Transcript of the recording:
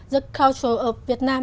từ rất nhiều trường hợp ở việt nam